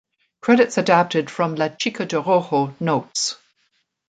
Credits adapted from "La Chica de Rojo" notes.